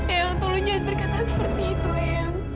ayah tolong jangan berkata seperti itu ayah